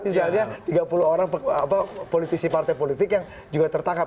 misalnya tiga puluh orang politisi partai politik yang juga tertangkap